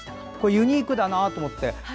ユニークだなと思って。